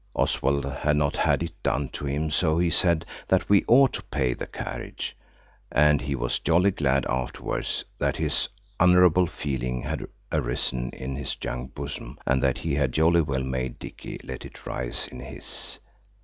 Oswald had not had it done to him, so he said that we ought to pay the carriage. And he was jolly glad afterwards that this honourable feeling had arisen in his young bosom, and that he had jolly well made Dicky let it rise in his.